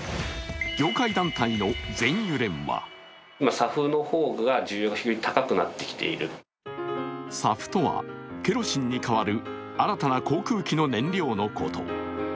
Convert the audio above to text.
業界団体の全油連はＳＡＦとは、ケロシンに代わる新たな高級燃料のこと。